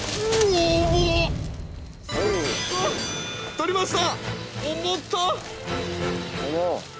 取りました！